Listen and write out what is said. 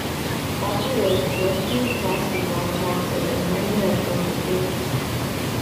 After this, Rushton was cast as Ron Thompson in "Honey, I Shrunk the Kids".